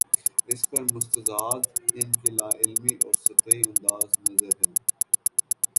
اس پر مستزاد ان کی لا علمی اور سطحی انداز نظر ہے۔